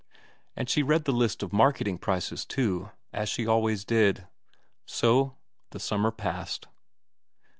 And she read the list of marketing prices too, as she always did. So the summer passed.